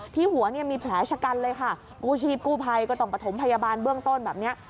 หัวเนี่ยมีแผลชะกันเลยค่ะกู้ชีพกู้ภัยก็ต้องประถมพยาบาลเบื้องต้นแบบเนี้ย